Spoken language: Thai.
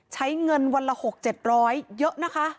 ใช้เงินวันละหกเจ็ดร้อยเยอะนะคะ